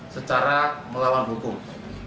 secara melawan hukum